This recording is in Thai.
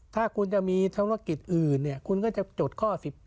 ถ้าคุณจะมีธนกฤษอื่นคุณก็จะจดข้อ๔๑๔๒๔๓